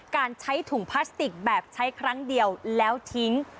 การใช้ถุงพลาสติกแบบใช้ครั้งเดียวแล้วทิ้ง